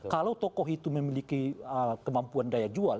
kalau tokoh itu memiliki kemampuan daya jual